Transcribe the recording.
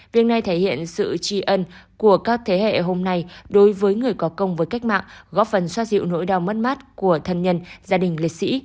việc này thể hiện sự tri ân của các thế hệ hôm nay đối với người có công với cách mạng góp phần xoa dịu nỗi đau mất mát của thân nhân gia đình liệt sĩ